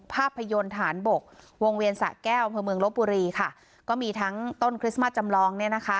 ภาพยนตร์ฐานบกวงเวียนสะแก้วอำเภอเมืองลบบุรีค่ะก็มีทั้งต้นคริสต์มัสจำลองเนี่ยนะคะ